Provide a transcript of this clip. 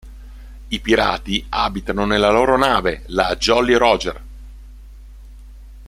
I pirati abitano nella loro nave, la "Jolly-Roger".